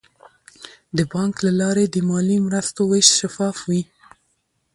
د بانک له لارې د مالي مرستو ویش شفاف وي.